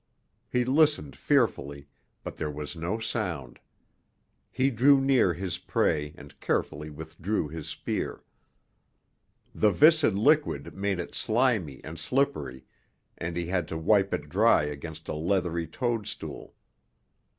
He listened fearfully, but there was no sound. He drew near his prey and carefully withdrew his spear. The viscid liquid made it slimy and slippery, and he had to wipe it dry against a leathery toadstool.